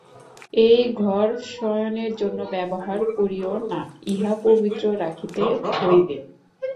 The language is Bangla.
এই ঘর শয়নের জন্য ব্যবহার করিও না, ইহা পবিত্র রাখিতে হইবে।